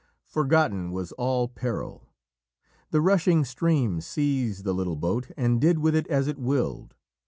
Forgotten was all peril. The rushing stream seized the little boat and did with it as it willed.